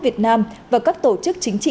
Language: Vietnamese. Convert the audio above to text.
việt nam và các tổ chức chính trị